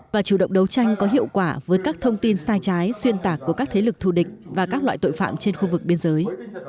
và chủ động đấu tranh có hiệu quả với các thông tin sai trái xuyên tạc của các thế lực thù địch và các loại tội phạm trên khu vực biên giới